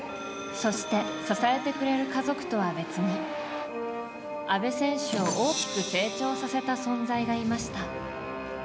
そして支えてくれる家族とは別に阿部選手を大きく成長させた存在がいました。